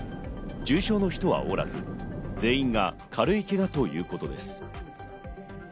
重傷の人はおらず、全員が軽いけがということです。